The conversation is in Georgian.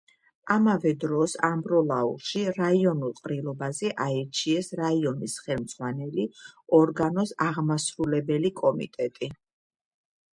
ამავე დროს ამბროლაურში რაიონულ ყრილობაზე აირჩიეს რაიონის ხელმძღვანელი ორგანოს აღმასრულებელი კომიტეტი.